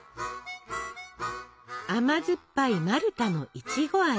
甘酸っぱいマルタのいちご味。